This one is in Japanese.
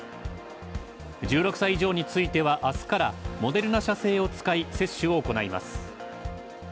１６歳以上については明日からモデルナ社製を使い接種を行います。